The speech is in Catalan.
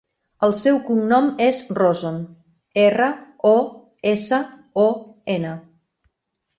El seu cognom és Roson: erra, o, essa, o, ena.